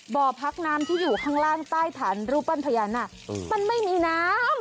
บ่อพักน้ำที่อยู่ข้างล่างใต้ฐานรูปปั้นพญานาคมันไม่มีน้ำ